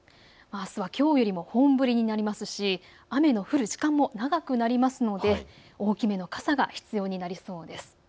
あすはきょうより本降りになりますし雨の降る時間帯も長くなりますので大きめの傘が必要になりそうです。